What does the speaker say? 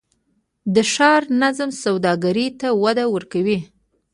د ښار نظم سوداګرۍ ته وده ورکوي؟